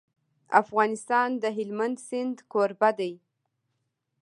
افغانستان د هلمند سیند کوربه دی.